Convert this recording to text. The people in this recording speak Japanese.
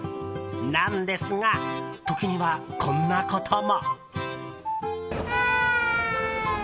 なんですが時にはこんなことも。